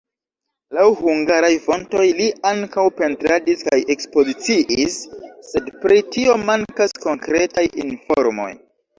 Laŭ hungaraj fontoj li ankaŭ pentradis kaj ekspoziciis, sed pri tio mankas konkretaj informoj.